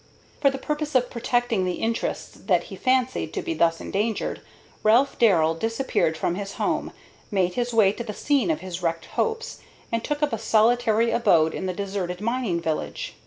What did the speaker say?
For the purpose of protecting the interests that he fancied to be thus endangered, Ralph Darrell disappeared from his home, made his way to the scene of his wrecked hopes, and took up a solitary abode in the deserted mining village.